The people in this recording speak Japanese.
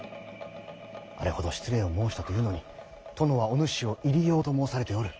あれほど失礼を申したというのに殿はお主を入り用と申されておる。